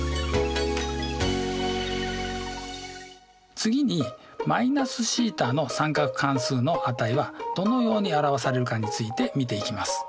次に−θの三角関数の値はどのように表されるかについて見ていきます。